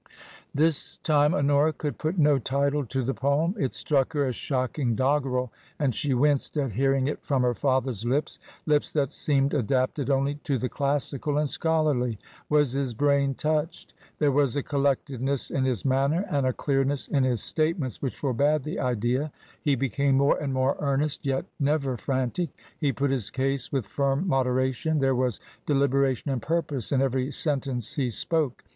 This time Honora could put no title to the poem. It struck her as shocking doggerel, and she winced at hearing it from her father's lips — lips that seemed adapted only to the classical and scholarly. Was his brain touched ? There was a collectedness in his manner and a clearness in his statements which forbade the idea. He became more and more earnest, yet never frantic ; he put his case with firm moderation ; there was delibera tion and purpose in every sentence he spoke.